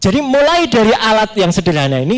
jadi mulai dari alat yang sederhana ini